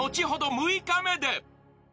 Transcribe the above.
６日目で！